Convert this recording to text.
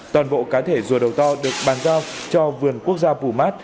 toàn bộ cá thể rùa đầu to được bàn giao cho vườn quốc gia bù mát